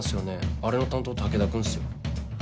あれの担当武田君っすよ。